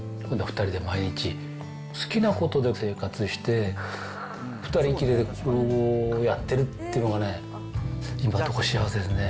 ２人で毎日、好きなことで生活して、２人きりで老後やってるっていうのがね、今のとこ幸せですね。